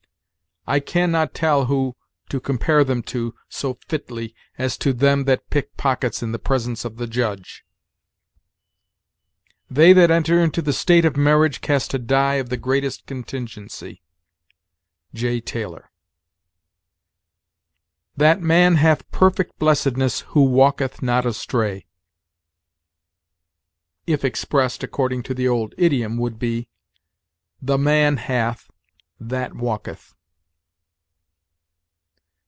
'I can not tell who to compare them to so fitly as to them that pick pockets in the presence of the judge'; 'they that enter into the state of marriage cast a die of the greatest contingency' (J. Taylor). "'That man hath perfect blessedness Who walketh not astray,' if expressed according to the old idiom would be, 'the man hath that walketh.'